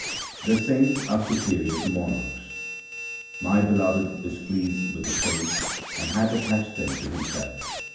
The saints are superior to monarchs :— My Beloved is pleased with the saints and hath attached them to Himself.